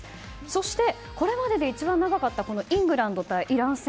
そして、これまでで一番長かったイングランド対イラン戦。